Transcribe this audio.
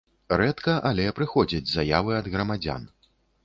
Рэдка, але прыходзяць заявы ад грамадзян.